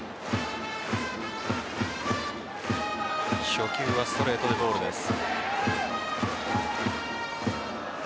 初球はストレートでボールです。